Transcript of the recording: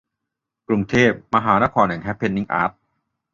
กรุงเทพ มหานครแห่งแฮปเพนนิ่งอาร์ต